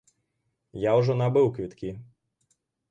Я ўжо набыў квіткі!